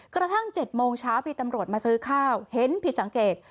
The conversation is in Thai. กระทั่งเจ็ดโมงเช้าพี่ตำโหลดมาซื้อข้าวเห็นพี่สังเกต